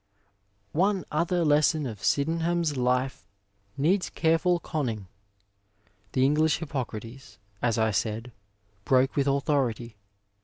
One other lesson of Sydenham's life needs careful con ning. The English Hippocrates, as I said, broke with authority.